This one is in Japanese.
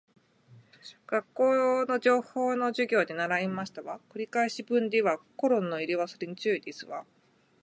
学校の情報の授業で習いましたわ。繰り返し文ではコロンの入れ忘れに注意ですわ